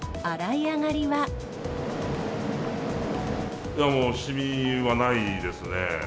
いやもう、シミはないですね。